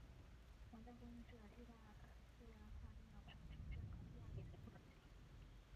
皇家宫是义大利撒丁岛上城市卡利亚里的一座历史建筑。